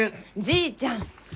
じいちゃん！